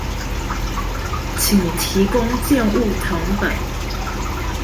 請提供建物謄本